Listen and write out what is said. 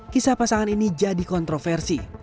kisah pasangan ini jadi kontroversi